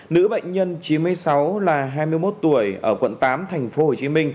nữ bệnh nhân chín mươi sáu là hai mươi một tuổi ở quận tám tp hcm